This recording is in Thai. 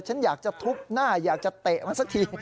ฉันอยากจะทุบหน้าอยากจะเตะมันสักที